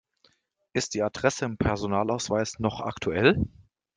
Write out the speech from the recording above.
Ist die Adresse im Personalausweis noch aktuell?